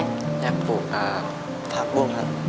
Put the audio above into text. อยากปลูกผักบุ้งครับ